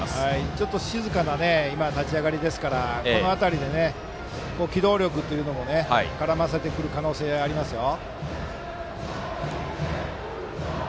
ちょっと静かな立ち上がりですからこの辺りで機動力を絡ませてくる可能性はありますよ。